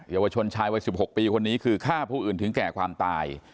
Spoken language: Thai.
เยาวชนชายวัย๑๖ปีคนนี้คือฆ่าผู้อื่นถึงแก่ความตาย